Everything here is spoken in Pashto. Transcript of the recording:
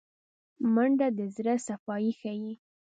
منډه د زړه صفايي ښيي